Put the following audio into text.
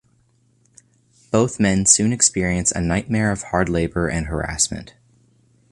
Both men soon experience a nightmare of hard labour and harassment.